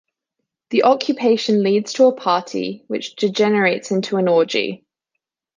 The occupation leads to a party which degenerates into an orgy.